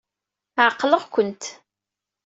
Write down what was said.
Ɛeqleɣ-kent.